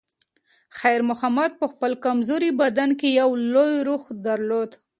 خیر محمد په خپل کمزوري بدن کې یو لوی روح درلود.